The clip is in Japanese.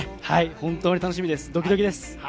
本当に楽しみですドキドキです。